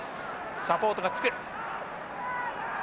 サポートがつく。